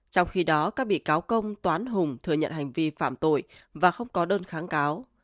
trong khi đó các bị cáo công toán hùng thừa nhận hành vi phạm tội và không có đơn kháng cáo